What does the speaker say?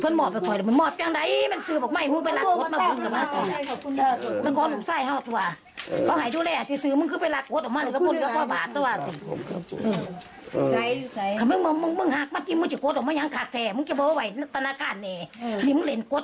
น้ำมื้อจะมาเอารถเครื่องไปอีก